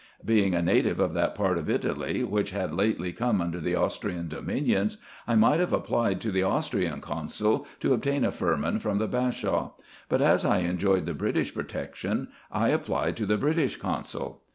Being a native of that part of Italy which had lately come under the Austrian dominions, I might have applied to the Austrian consul, to obtain a firman from the Bashaw : but as I enjoyed the British protection, I applied to the British consul.